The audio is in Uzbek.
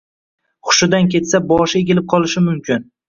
Hushidan ketsa, boshi egilib qolishi mumkin.